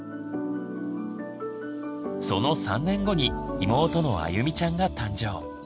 その３年後に妹のあゆみちゃんが誕生。